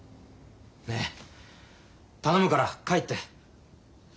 ねえ頼むから帰って。